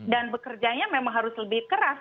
dan bekerjanya memang harus lebih keras